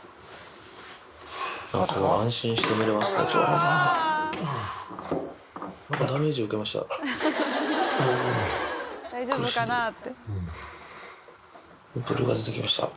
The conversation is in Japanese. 安心して寝れますね。